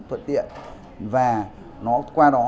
thuận tiện và nó qua đó